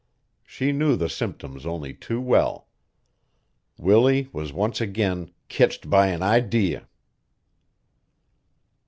She knew the symptoms only too well. Willie was once again "kitched by an idee!"